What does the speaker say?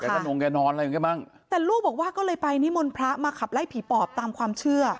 ถูกค่ะแต่ลูกบอกว่าก็เลยไปนิมนต์พระมาขับไล่ผีปอบตามความเชื่อ